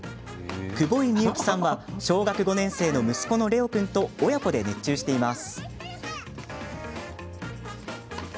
久保井美幸さんは小学校５年生の息子の玲央君と親子で熱中しています。